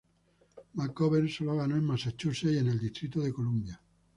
McGovern solo ganó en Massachusetts y en el Distrito de Columbia.